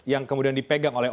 yang kemudian dipegang oleh